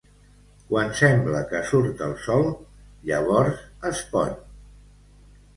Quan sembla que surt el sol, llavors es pon.